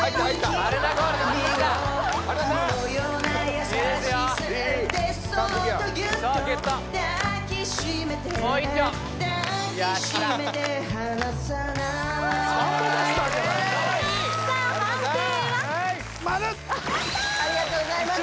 マルッありがとうございます